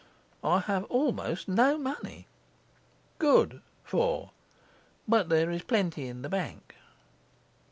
4. I have almost no money. 4. But there is plenty in the bank.